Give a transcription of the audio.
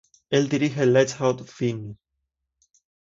El dirige el Lighthouse Wien.